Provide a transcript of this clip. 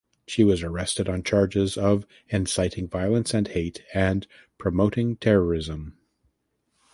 She was arrested on charges of "inciting violence and hate" and "promoting terrorism".